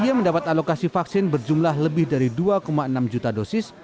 d i e mendapat alokasi vaksin berjumlah lebih dari dua enam juta dosis